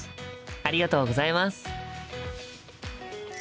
ありがとうございます。